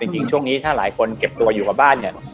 จริงช่วงนี้ถ้าหลายคนเก็บตัวอยู่กับบ้านเนี่ย